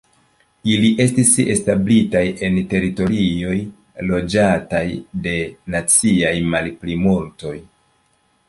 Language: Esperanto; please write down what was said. Ili estis establitaj en teritorioj, loĝataj de naciaj malplimultoj.